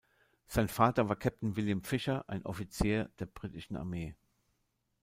Sein Vater war Captain William Fisher, ein Offizier der Britischen Armee.